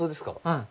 うん。